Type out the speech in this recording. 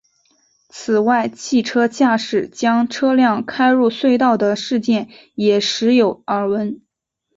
此外汽车驾驶将车辆开入隧道的事件也时有耳闻。